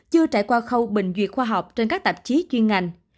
chưa trải qua khâu bình duyệt khoa học trên các tạp chí chuyên ngành